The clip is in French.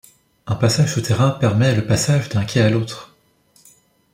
Un passage souterrain permet le passage d'un quai à l'autre.